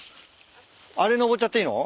あれ登っちゃっていいの？